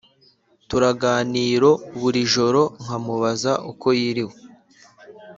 turaganiro buri joro nkamubaza uko yiriwe